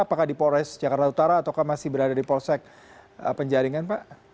apakah di polres jakarta utara atau masih berada di polsek penjaringan pak